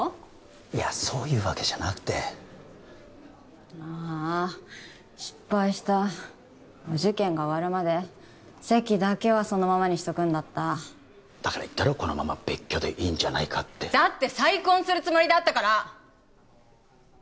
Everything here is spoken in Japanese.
いやそういうわけじゃなくてああ失敗したお受験が終わるまで籍だけはそのままにしとくんだっただから言ったろこのまま別居でいいんじゃないかってだって再婚するつもりだったから！